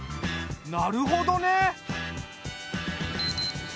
なるほどね。